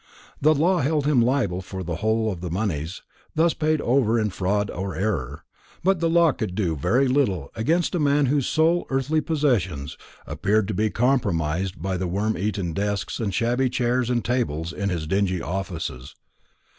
The law held him liable for the whole of the moneys thus paid over in fraud or error; but the law could do very little against a man whose sole earthly possessions appeared to be comprised by the worm eaten desks and shabby chairs and tables in his dingy offices.